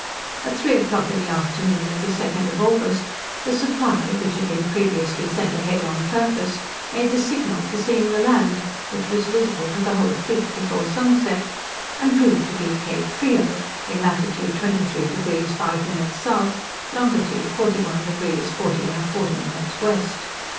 At three o'clock in the afternoon of the 2nd of August, the 'Supply', which had been previously sent a head on purpose, made the signal for seeing the land, which was visible to the whole fleet before sunset, and proved to be Cape Frio, in latitude 23 deg 5 min south, longitude 41 deg 40 1/4 min west.